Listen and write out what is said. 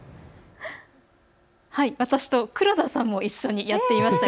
私と、黒田さんも一緒にやっていました。